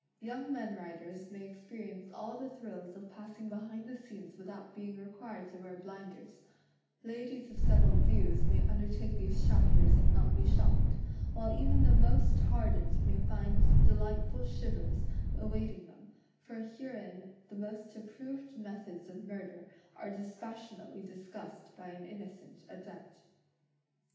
Young men writers may experi ence all the thrills of passing behind the scenes without being required to wear blinders; ladies of settled views may imder take these chapters and not be shocked; while even the most hardened may find delightful shivers awaiting them, for herein the most approved methods of murder are dispassion ately discussed by an innocent adept.